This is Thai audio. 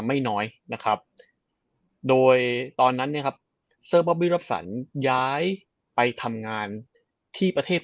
ไม่น้อยนะครับโดยตอนนั้นเนี่ยครับเซอร์บอบบี้รับสันย้ายไปทำงานที่ประเทศ